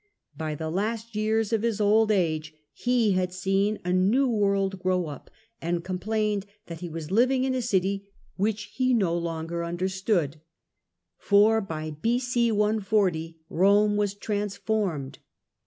By the last years of his old age he had seen a new world grow up, and complained that he was living in a city which he no longer under stood. For by b.c. 140 Rome was transformed.